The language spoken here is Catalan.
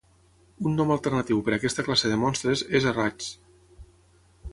Un nom alternatiu per aquesta classe de monstres és Arrachd.